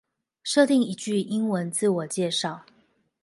設定一句英文自我介紹